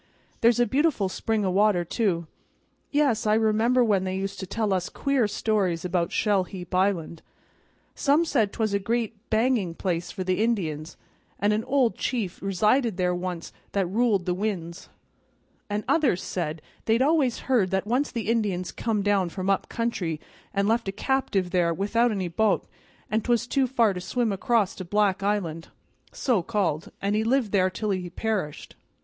There's a beautiful spring o' water, too. Yes, I remember when they used to tell queer stories about Shell heap Island. Some said 'twas a great bangeing place for the Indians, and an old chief resided there once that ruled the winds; and others said they'd always heard that once the Indians come down from up country an' left a captive there without any bo't, an' 'twas too far to swim across to Black Island, so called, an' he lived there till he perished."